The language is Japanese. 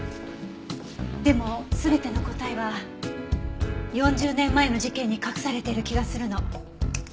でも全ての答えは４０年前の事件に隠されている気がするの。